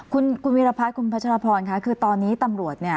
คุณคุณวิรพัฒน์คุณพัชรพรค่ะคือตอนนี้ตำรวจเนี่ย